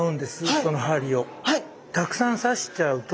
その針を。